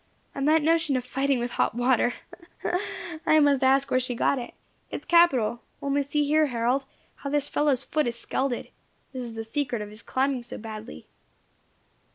And that notion of fighting with hot water ha! ha! I must ask where she got it. It is capital. Only see here, Harold, how this fellow's foot is scalded; this is the secret of his climbing so badly."